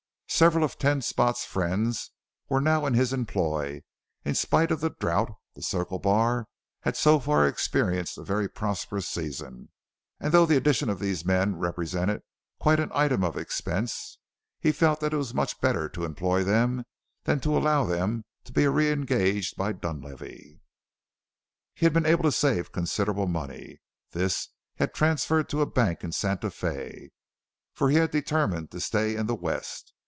Several of Ten Spot's friends were now in his employ; in spite of the drought the Circle Bar had so far experienced a very prosperous season, and, though the addition of the men represented quite an item of expense, he felt that it was much better to employ them than to allow them to be re engaged by Dunlavey. He had been able to save considerable money. This he had transferred to a bank in Santa Fe, for he had determined to stay in the West.